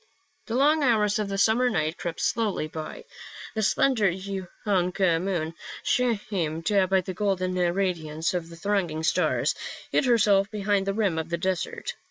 The long hours of the summer night crept slowly by, the slender young moon, shamed by the golden radiance of the thronging stars, hid herself behind the rim of the desert.